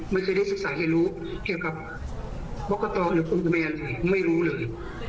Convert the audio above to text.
ไม่เคยได้ศึกษาให้รู้เพียงกับบอกกะต่อหรือต้นตำราบไม่รู้เลย